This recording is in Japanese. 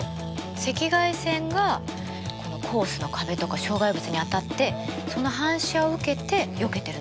赤外線がこのコースの壁とか障害物に当たってその反射を受けてよけてるの。